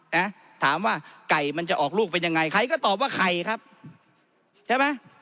นะถามว่าไก่มันจะออกลูกเป็นยังไงใครก็ตอบว่าไข่ครับใช่ไหม